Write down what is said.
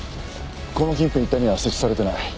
この近辺一帯には設置されていない。